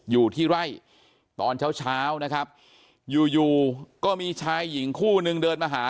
อยู่ที่ไร่ตอนเช้าเช้านะครับอยู่อยู่ก็มีชายหญิงคู่นึงเดินมาหา